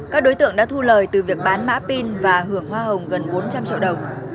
các đối tượng đã thu lời từ việc bán mã pin và hưởng hoa hồng gần bốn trăm linh triệu đồng